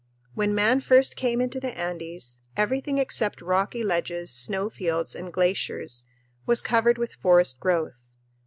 When man first came into the Andes, everything except rocky ledges, snow fields, and glaciers was covered with forest growth.